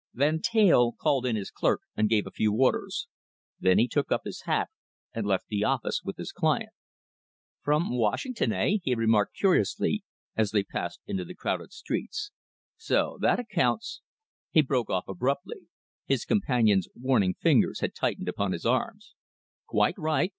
Van Teyl called in his clerk and gave a few orders. Then he took up his hat and left the office with his client. "From Washington, eh?" he remarked curiously, as they passed into the crowded streets. "So that accounts " He broke off abruptly. His companion's warning fingers had tightened upon his arm. "Quite right!"